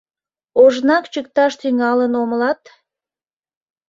Ожнак чӱкташ тӱҥалын омылат...